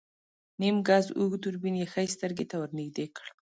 نيم ګز اوږد دوربين يې ښی سترګې ته ور نږدې کړ.